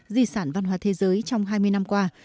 di sản văn hóa thế giới trong hai mươi năm qua